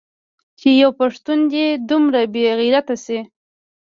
چې يو پښتون دې دومره بې غيرته سي.